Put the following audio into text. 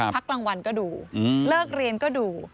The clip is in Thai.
พักกลางวันก็ดูเลิกเรียนก็ดู